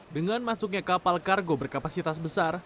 dengan masuknya kapal kargo berkapasitas besar